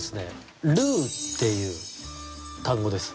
「ルー」っていう単語です。